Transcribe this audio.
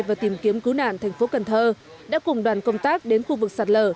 và tìm kiếm cứu nạn thành phố cần thơ đã cùng đoàn công tác đến khu vực sạt lở